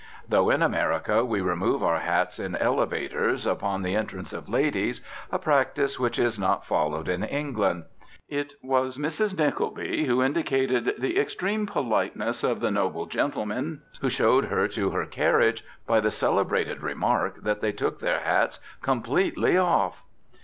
Though in America we remove our hats in elevators upon the entrance of ladies, a practice which is not followed in England. It was Mrs. Nickleby who indicated the extreme politeness of the noble gentlemen who showed her to her carriage by the celebrated remark that they took their hats "completely off."